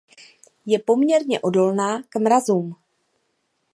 Je poměrně odolná k mrazům.